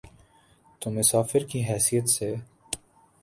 تو مسافر کی حیثیت سے۔